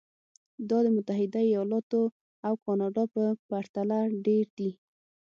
دا د متحده ایالتونو او کاناډا په پرتله ډېر دي.